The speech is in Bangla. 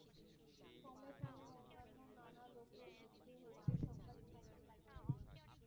ক্রমে ক্রমে অন্যান্য নানা লােকের মুখ হইতে সংবাদ পাইতে লাগিলেন।